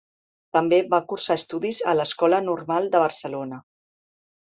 També va cursar estudis a l'Escola Normal de Barcelona.